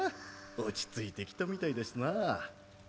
落ち着いてきたみたいだしな。